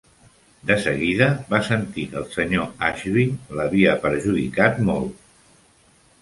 De seguida va sentir que el senyor Ashby l'havia perjudicat molt.